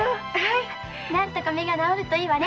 何とか目が治るといいわね。